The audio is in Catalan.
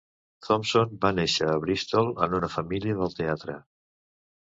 Thompson va néixer a Bristol en una família del teatre.